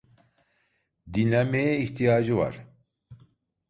Dinlenmeye ihtiyacı var.